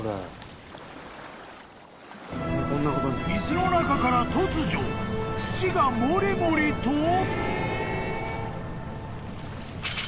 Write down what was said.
［水の中から突如土がもりもりと］